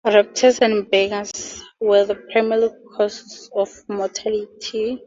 Raptors and badgers were the primary causes of mortality.